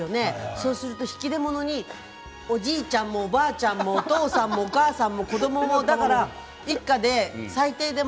そうすると引き出物におじいちゃんも、おばあちゃんもお父さんも、お母さんも子どもも。